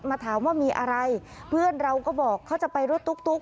มาถามว่ามีอะไรเพื่อนเราก็บอกเขาจะไปรถตุ๊ก